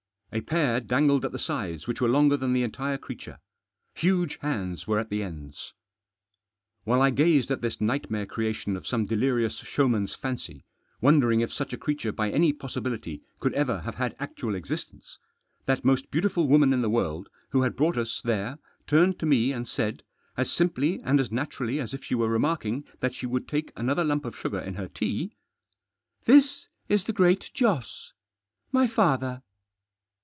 A pair dangled at the sides which were longer than the entire creature. Huge hands were at the ends. While I gazed at this nightmare creation of some delirious showman's fancy, wondering if such a crea ture by any possibility could ever have had actual existence, that most beautiful woman in the world who had brought us there turned to me and said, as simply and as naturally as if she were remarking that she'd take another lump of sugar in her tea :—" This is the Great Joss— my father."